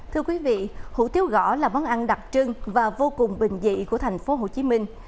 thưa quý vị hủ tiếu gõ là món ăn đặc trưng và vô cùng bình dị của thành phố hồ chí minh